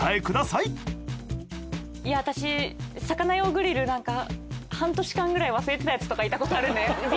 いや私魚用グリルなんか半年間くらい忘れてたやつとかいたことあるんでＢ。